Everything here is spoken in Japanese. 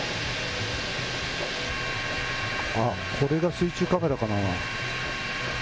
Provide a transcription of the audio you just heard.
これが水中カメラかな。